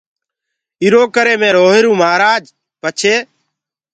ايٚرو ڪري مي روهيروئونٚ مهآرآج پڇي